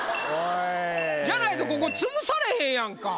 じゃないとここ潰されへんやんか。